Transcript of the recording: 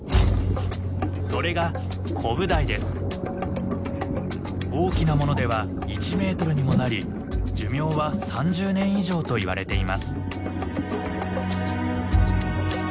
それが大きなものでは１メートルにもなり寿命は３０年以上といわれています。